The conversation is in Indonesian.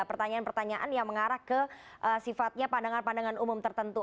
pertanyaan pertanyaan yang mengarah ke sifatnya pandangan pandangan umum tertentu